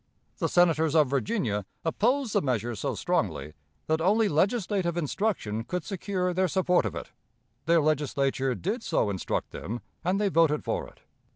The Senators of Virginia opposed the measure so strongly that only legislative instruction could secure their support of it. Their Legislature did so instruct them, and they voted for it.